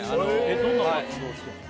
どんな活動してんの？